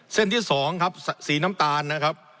เส้นที่สองครับสีน้ำตาลนะครับ